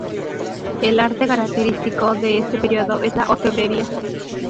El arte característico de este período es la orfebrería.